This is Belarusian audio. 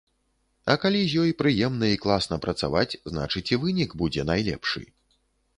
А калі з ёй прыемна і класна працаваць, значыць, і вынік будзе найлепшы.